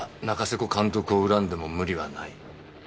古監督を恨んでもムリはない。